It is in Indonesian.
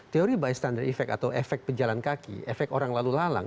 teori bystander effect atau efek pejalan kaki efek orang lalu lalang